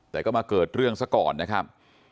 แต่ก็มาเกิดเรื่องซะก่อนนะครับ